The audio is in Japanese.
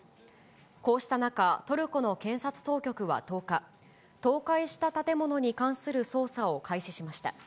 こうした中、トルコの検察当局は１０日、倒壊した建物に関する捜査を開始しました。